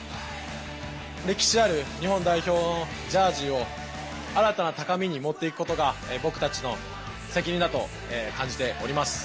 歴史ある日本代表のジャージを新たな高みに持っていくことが僕たちの責任だと感じております。